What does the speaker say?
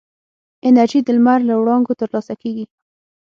انرژي د لمر له وړانګو ترلاسه کېږي.